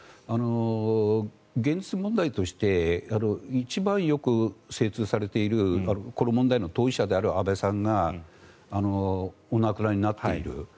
確かに答えになってないんですが現実問題として一番よく精通されているこの問題の当事者である安倍さんがお亡くなりになっている。